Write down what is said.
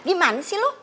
gimana sih lu